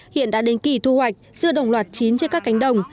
hiện đã đến kỳ thu hoạch dưa đồng loạt chín trên các cánh đồng